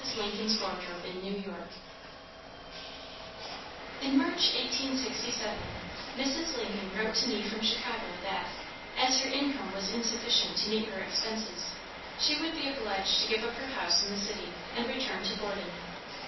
LINCOLN'S WARDROBE IN NEW YORK In March, 1867, Mrs. Lincoln wrote to me from Chicago that, as her income was insufficient to meet her expenses, she would be obliged to give up her house in the city, and return to boarding.